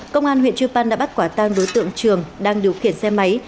công an huyện chư pan đã bắt quả tang đối tượng trường đang điều khiển xe máy